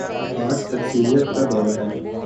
آج تکثیریت کا دور ہے۔